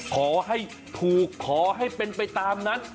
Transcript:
ขอให้ถูกขอให้เป็นไปตามนั้น